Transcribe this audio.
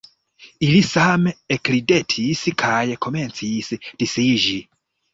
Ili same ekridetis kaj komencis disiĝi.